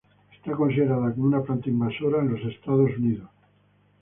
Está considerada una planta invasora en los Estados Unidos.